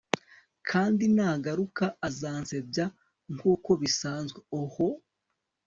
kandi nagaruka azansebya nkuko bisanzwe. oh